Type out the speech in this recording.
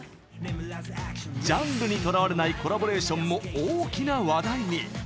ジャンルにとらわれないコラボレーションも大きな話題に。